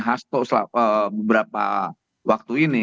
hasto beberapa waktu ini